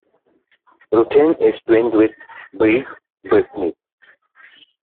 Ruthin is twinned with Brieg, Brittany.